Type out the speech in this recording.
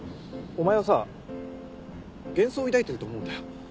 お前はさ幻想を抱いてると思うんだよ。